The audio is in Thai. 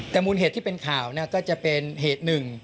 แต่มูลเหตุที่เป็นข่าวก็จะเป็นเหตุหนึ่ง